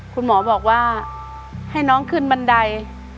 คุณหมอบอกว่าให้น้องขึ้นบันได